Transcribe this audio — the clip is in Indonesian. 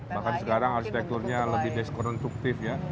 bahkan sekarang arsitekturnya lebih deskonduktif ya